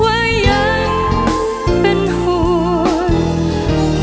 ว่ายังเป็นห่วง